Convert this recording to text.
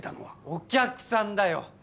お客さんだよ！